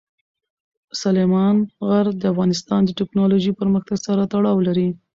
سلیمان غر د افغانستان د تکنالوژۍ پرمختګ سره تړاو لري.